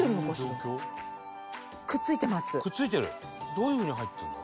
どういうふうに入ってるんだ？